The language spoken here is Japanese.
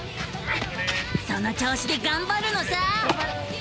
その調子でがんばるのさ！